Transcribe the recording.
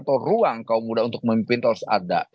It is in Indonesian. atau ruang kaum muda untuk memimpin itu harus ada